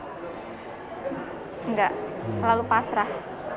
nggak selalu pasrah